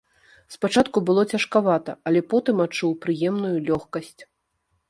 Спачатку было цяжкавата, але потым адчуў прыемную лёгкасць.